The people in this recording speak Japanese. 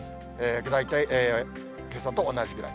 大体けさと同じぐらい。